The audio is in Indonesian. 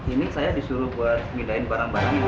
ini saya disuruh buat ngindahin barang barang di rumah sini